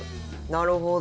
なるほど。